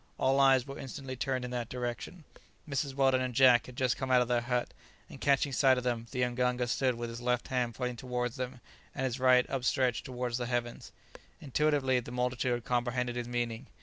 All eyes were instantly turned in that direction. Mrs. Weldon and Jack had just come out of their hut, and catching sight of them, the mganga stood with his left hand pointing towards them and his right upstretched towards the heavens. Intuitively the multitude comprehended his meaning.